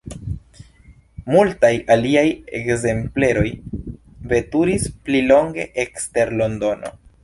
Multaj aliaj ekzempleroj veturis pli longe ekster Londono.